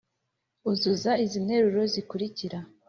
Uzuza izi interuro zikurikira